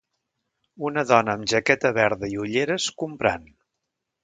Una dona amb jaqueta verda i ulleres comprant.